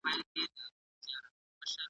په علمي نړۍ کي هر نوم ځانګړی مفهوم لري.